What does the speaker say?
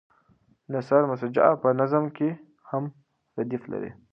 نثر مسجع په نظم کې هم ردیف لري.